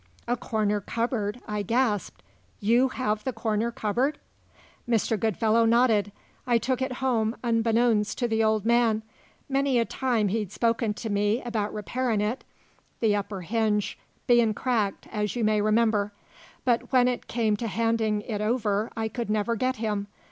"A corner cupboard!" I gasped. "You have the corner cupboard?" Mr. Goodfellow nodded. "I took it home unbeknowns to the old man. Many a time he'd spoken to me about repairin' it, the upper hinge bein' cracked, as you may remember. But when it came to handin' it over I could never get him.